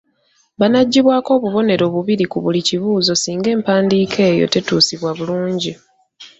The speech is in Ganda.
Banaggibwako obubonero bubiri ku buli kibuuzo singa empandiika eyo tetuusibwa bulungi.